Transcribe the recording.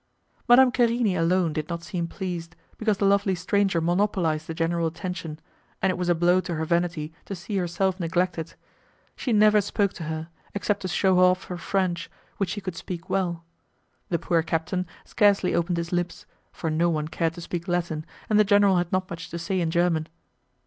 Madame Querini alone did not seem pleased, because the lovely stranger monopolized the general attention, and it was a blow to her vanity to see herself neglected. She never spoke to her, except to shew off her French, which she could speak well. The poor captain scarcely opened his lips, for no one cared to speak Latin, and the general had not much to say in German.